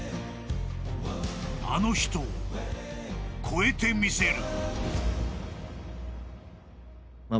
［あの人を超えてみせる］